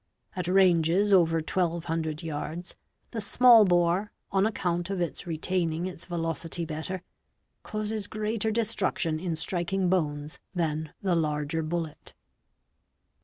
At ranges over 1,200 yards, the small bore, on account of its retaining its velocity better, causes greater destruction in striking bones than the larger bullet.